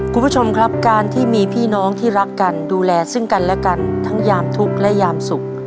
คุณผู้ชมครับการที่มีพี่น้องที่รักกันดูแลซึ่งกันและกันทั้งยามทุกข์และยามสุข